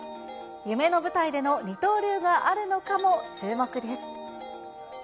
夢の舞台での二刀流があるのかも注目です。